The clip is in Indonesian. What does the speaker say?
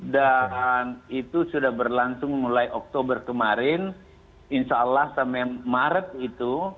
dan itu sudah berlangsung mulai oktober kemarin insya allah sampai maret itu